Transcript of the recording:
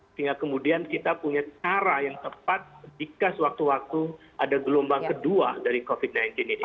sehingga kemudian kita punya cara yang tepat jika sewaktu waktu ada gelombang kedua dari covid sembilan belas ini